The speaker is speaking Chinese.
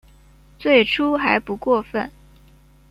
最初还不过分